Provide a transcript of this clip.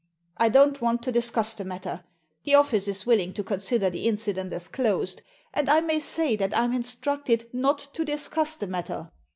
I don't want to discuss the matter; the Office is willing to consider the incident as closed, and I may say that I'm in structed not to discuss the matter.